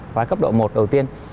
khóa cấp độ một đầu tiên